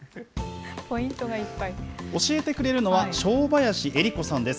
教えてくれるのは正林恵理子さんです。